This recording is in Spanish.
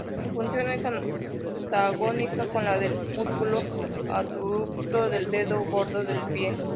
Su función es antagónica con la del músculo aductor del dedo gordo del pie.